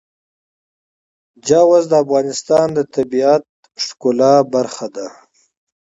چار مغز د افغانستان د طبیعت د ښکلا برخه ده.